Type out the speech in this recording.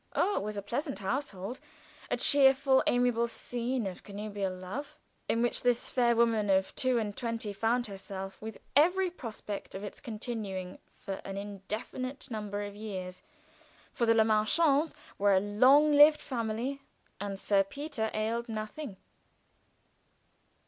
Oh, it was a pleasant household! a cheerful, amiable scene of connubial love, in which this fair woman of two and twenty found herself, with every prospect of its continuing for an indefinite number of years; for the Le Marchants were a long lived family, and Sir Peter ailed nothing.